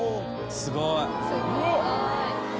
すごい。